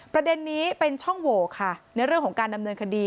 ประเด็นนี้เป็นช่องโหวค่ะในเรื่องของการดำเนินคดี